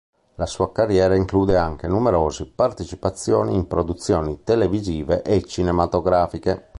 La sua carriera include anche numerose partecipazioni in produzioni televisive e cinematografiche.